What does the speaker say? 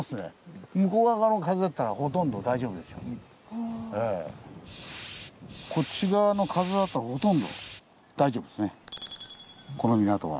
この形ならこっち側の風だとほとんど大丈夫ですねこの港は。